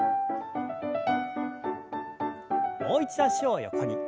もう一度脚を横に。